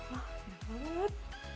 wah enak banget